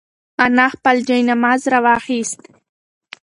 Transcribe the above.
انا خپل جاینماز راواخیست.